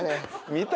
見た？